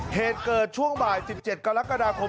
เหตุเกิดช่วงบ่าย๑๗กรกฎาคม